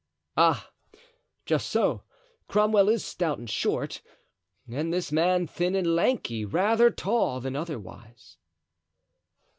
"Ah! just so. Cromwell is stout and short, and this man thin and lanky, rather tall than otherwise."